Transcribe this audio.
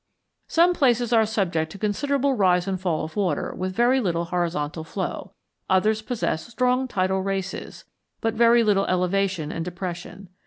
Some places are subject to considerable rise and fall of water with very little horizontal flow; others possess strong tidal races, but very little elevation and depression.